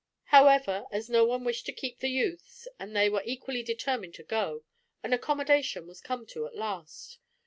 However, as no one wished to keep the youths, and they were equally determined to go, an accommodation was come to at last.